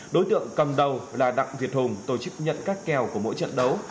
đối tượng cầm đầu là đặng việt hùng tổ chức nhận các kèo của mỗi trận đấu